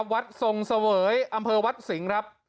วัดทรงเสวยอำเภอวัดสิงห์ครับ